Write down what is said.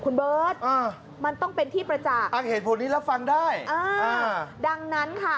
คุณเบิร์ตอ่ามันต้องเป็นที่ประจ่างอ่ะเหตุผลนี้รับฟังได้อ่าอ่าดังนั้นค่ะ